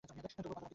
তবু ভালোও লাগছে।